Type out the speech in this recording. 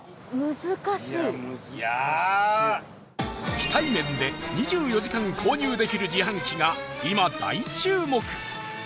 非対面で２４時間購入できる自販機が今、大注目！